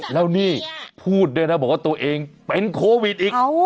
แล้วนี่พูดด้วยนะบอกว่าตัวเองเป็นโควิดอีก